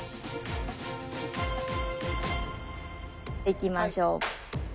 いきましょう。